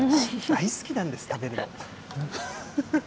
大好きなんです、食べるの。